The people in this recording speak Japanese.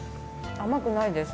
甘くないです。